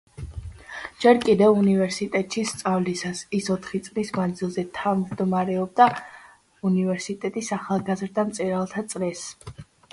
ჯერ კიდევ უნივერსიტეტში სწავლისას, ის, ოთხი წლის მანძილზე, თავმჯდომარეობდა უნივერსიტეტის ახალგაზრდა მწერალთა წრეს.